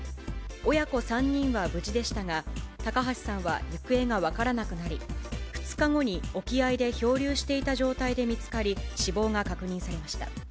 親子３人は無事でしたが、高橋さんは行方が分からなくなり、２日後に沖合で漂流していた状態で見つかり、死亡が確認されました。